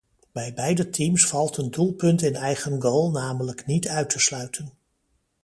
Bij beide teams valt een doelpunt in eigen goal namelijk niet uit te sluiten.